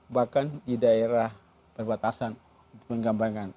bahkan di daerah perbatasan di penggambangan